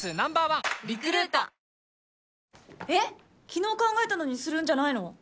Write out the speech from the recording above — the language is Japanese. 昨日考えたのにするんじゃないの？